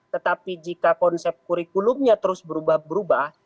tetapi jika konsep kurikulumnya terus berubah berubah